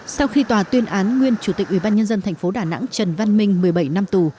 sau khi tòa tuyên án nguyên chủ tịch ubnd tp đà nẵng trần văn minh một mươi bảy năm tù